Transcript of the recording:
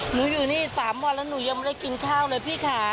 อยู่นี่๓วันแล้วหนูยังไม่ได้กินข้าวเลยพี่ค่ะ